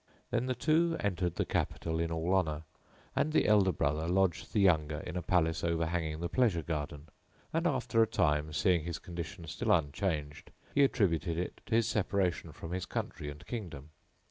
Then the two entered the capital in all honour; and the elder brother lodged the younger in a palace overhanging the pleasure garden; and, after a time, seeing his condition still unchanged, he attributed it to his separation from his country and kingdom.